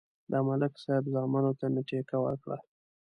د ملک صاحب زامنو ته مې ټېکه ورکړه.